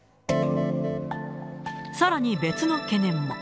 さらに別の懸念も。